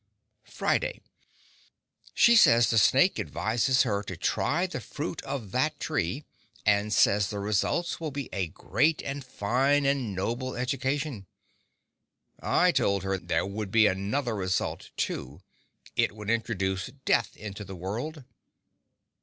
Friday She says the snake advises her to try the fruit of that tree, and says the result will be a great and fine and noble education. I told her there would be another result, too—it would introduce death into the world.